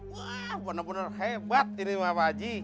wah bener bener hebat ini pak waji